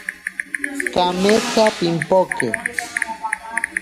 Kametsa pimpoke.